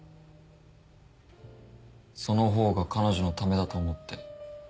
その方が彼女のためだと思って。